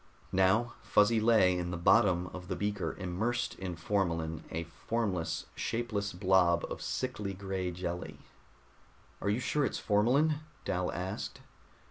Now Fuzzy lay in the bottom of the beaker, immersed in formalin, a formless, shapeless blob of sickly gray jelly. "Are you sure it's formalin?" Dal asked.